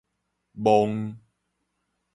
妄